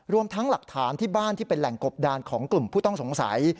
รวมทั้งหลักฐานที่บ้านที่เป็นแหล่งกบดานของกลุ่มผู้ต้องสงสัย